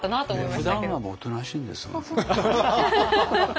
ふだんはもうおとなしいんですよ。